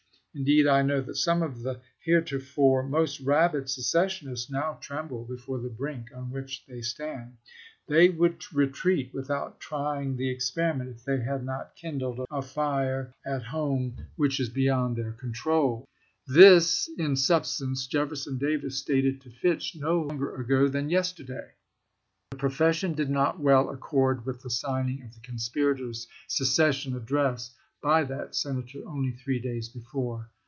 Indeed, I know that some of the heretofore most rabid secessionists now tremble before the brink on which they stand. They would retreat without trying the experiment if they had not kindled a fire at home 256 ABRAHAM LINCOLN Chap. XVI. Fogg to Lincoln, Dec. 17, I860. M8. Williams to Lincoln, Dec. 19,1860. MS. which is beyond their control. This, in substance, Jefferson Davis stated to Fitch no longer ago than yesterday." The profession did not well accord with the signing of the conspirators' secession address by that Senator only three days before.